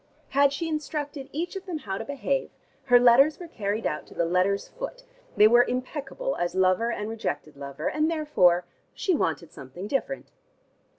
Had she instructed each of them how to behave, her instructions were carried out to the letter's foot: they were impeccable as lover and rejected lover, and therefore she wanted something different.